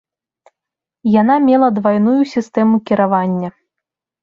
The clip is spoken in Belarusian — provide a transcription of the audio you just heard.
Яна мела двайную сістэму кіравання.